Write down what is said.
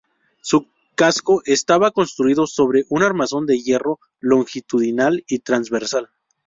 Su casco, estaba construido sobre un armazón de hierro longitudinal y transversal.